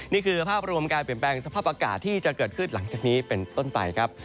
นี่คือภาพรวมการเปลี่ยนแปลงสภาพอากาศที่จะเกิดขึ้นหลังจากนี้เป็นต้นไปครับ